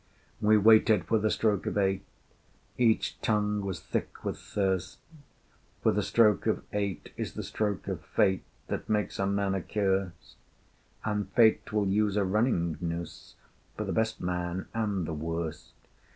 We waited for the stroke of eight: Each tongue was thick with thirst: For the stroke of eight is the stroke of Fate That makes a man accursed, And Fate will use a running noose For the best man and the worst.